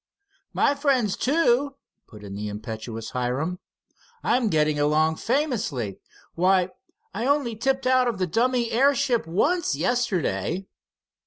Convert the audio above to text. "My friends, too," put in the impetuous Hiram. "I'm getting along famously. Why, I only tipped out of the dummy airship once yesterday."